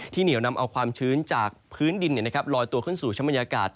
เหนียวนำเอาความชื้นจากพื้นดินลอยตัวขึ้นสู่ชั้นบรรยากาศ